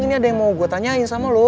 ini ada yang mau gue tanyain sama lo